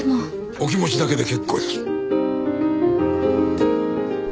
お気持ちだけで結構です。